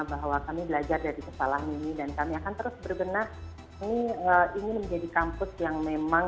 bahwa kami belajar dari kepala mimi dan kami akan terus bergenah ini menjadi kampus yang memang